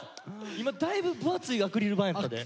今だいぶ分厚いアクリル板やったで。